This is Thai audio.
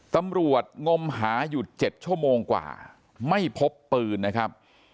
งมหาอยู่๗ชั่วโมงกว่าไม่พบปืนนะครับ